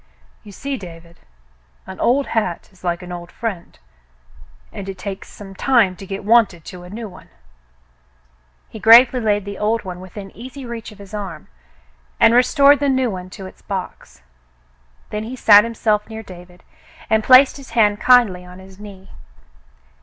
"You see, David, an old hat is like an old friend, and it takes some time to get wonted to a new one." He gravely laid the old one within easy reach of his arm and restored the new one to its box. Then he sat himself near David and placed his hand kindly on his knee.